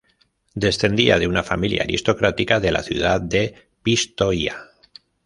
Descendía de una familia aristocrática de la ciudad de Pistoia.